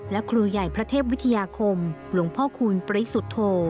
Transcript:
และครูใหญ่พระเทพวิทยาคมหลวงพ่อคูณปริสุทธโธ